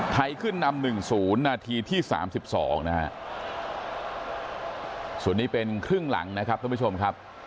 ไทยขึ้นนำ๑๐นาทีที่สามสิบสองนะฮะส่วนนี้เป็นครึ่งหลังนะครับท่านผู้ชมครับ